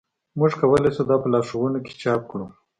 موږ کولی شو دا په لارښودونو کې چاپ کړو